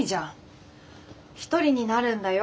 一人になるんだよ。